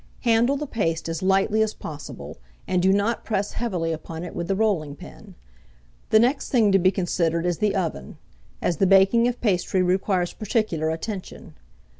Handle the paste as lightly as possible, and do not press heavily upon it with the rolling pin. The next thing to be considered is the oven, as the baking of pastry requires particular attention.